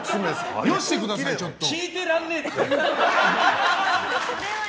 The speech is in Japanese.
聞いてらんねえ！